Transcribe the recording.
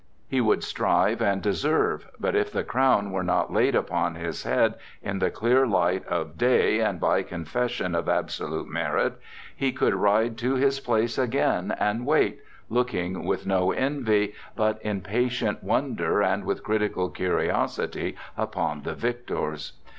He would strive and deserve; but if the crown were not laid upon his head in the clear light of day and by confession of absolute merit, he could ride to his place again and wait, looking with no envy, but in patient wonder and with critical curiosity upon the victors.